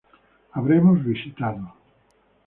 Habremos visitado